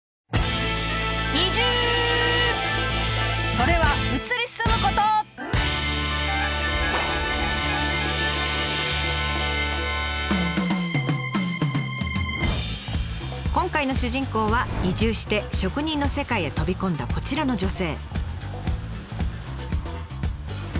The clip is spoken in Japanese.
それは今回の主人公は移住して職人の世界へ飛び込んだこちらの女性。